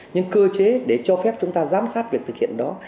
nhưng cơ chế để cho phép chúng ta giám sát việc thực hiện đó